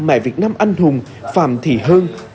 mẹ việt nam anh hùng phạm thị hương